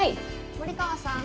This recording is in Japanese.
森川さん。